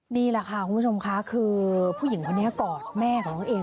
นี่แหละค่ะคุณผู้ชมค่ะคือผู้หญิงคนนี้กอดแม่ของน้องเอง